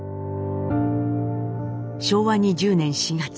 昭和２０年４月。